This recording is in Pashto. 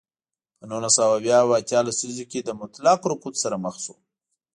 په نولس سوه اویا او اتیا لسیزو کې له مطلق رکود سره مخ شو.